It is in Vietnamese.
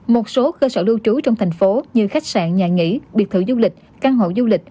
một số cơ sở lưu trú trong thành phố như khách sạn nhà nghỉ biệt thự du lịch căn hộ du lịch